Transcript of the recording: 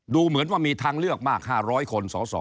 ดูเหมือนว่ามีทางเลือกมาก๕๐๐คนสส